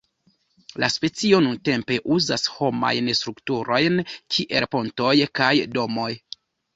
La specio nuntempe uzas homajn strukturojn kiel pontoj kaj domoj.